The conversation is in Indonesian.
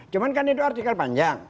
cuma kan itu artikel panjang